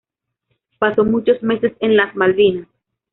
Pasó muchos meses en las Malvinas.